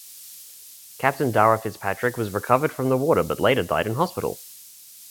Captain Dara Fitzpatrick was recovered from the water but later died in hospital.